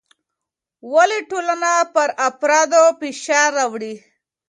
ولې ټولنه پر افرادو فشار راوړي؟